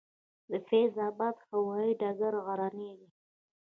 د فیض اباد هوايي ډګر غرنی دی